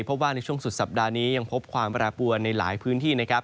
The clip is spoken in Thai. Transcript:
เพราะว่าในช่วงสุดสัปดาห์นี้ยังพบความแปรปวนในหลายพื้นที่นะครับ